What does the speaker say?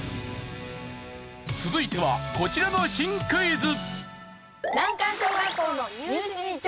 続いてはこちらの新クイズ。